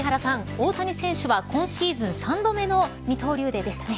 大谷選手は今シーズン３度目の二刀流デーですね。